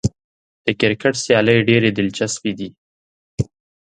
د کرکټ سیالۍ ډېرې دلچسپې دي.